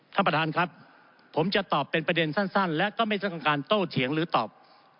ท่านประธานครับผมจะตอบเป็นประเด็นสั้นและก็ไม่ต้องการโต้เถียงหรือตอบ